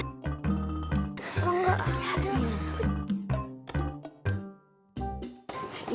kok gak ada